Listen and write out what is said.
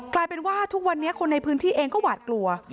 กลายเป็นว่าทุกวันนี้คนในพื้นที่เองก็หวาดกลัว